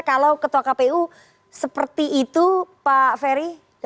kalau ketua kpu seperti itu pak ferry